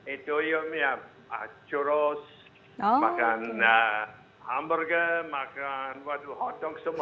itu ya ya churros makan hamburger makan waduh hotdog semua